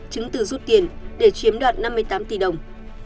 chứng từ rút tiền để chiếm đoạt năm mươi tám tỷ đồng